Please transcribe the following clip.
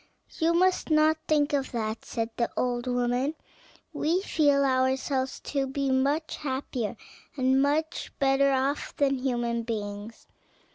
"You must not think of that," said the old woman; "we feel ourselves to be much happier and much better off than human beings."